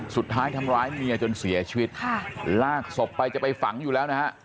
สุดท้ายทำร้ายเมียจนเสียชีวิตค่ะลากศพไปจะไปฝังอยู่แล้วนะฮะ